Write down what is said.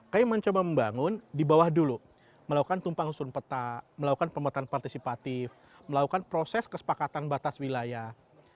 kami mencoba membangun di bawah dulu melakukan tumpang susun peta melakukan pemetaan partisipatif melakukan proses kesepakatan batas wilayah